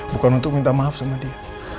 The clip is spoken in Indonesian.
bukan untuk minta maaf sama dia